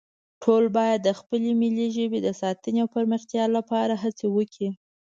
ټول باید د خپلې ملي ژبې د ساتنې او پرمختیا لپاره هڅې وکړو